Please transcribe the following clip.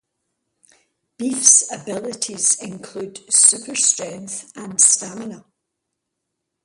Beef's abilities include super strength and stamina.